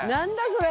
それ。